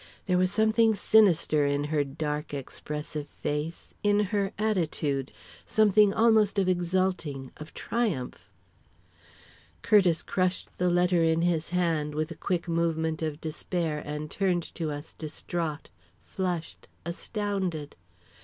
There was something sinister in her dark, expressive face, in her attitude something almost of exulting, of triumph Curtiss crushed the letter in his hand with a quick movement of despair, and turned to us distraught, flushed, astounded.